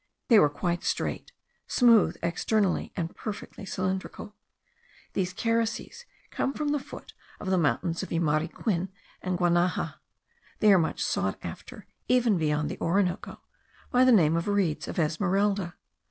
They were quite straight, smooth externally, and perfectly cylindrical. These carices come from the foot of the mountains of Yumariquin and Guanaja. They are much sought after, even beyond the Orinoco, by the name of reeds of Esmeralda.